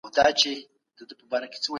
د بشري حقونو نقض نړیوال غبرګونونه پاروي.